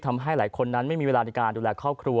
ทำให้หลายคนนั้นไม่มีเวลาในการดูแลครอบครัว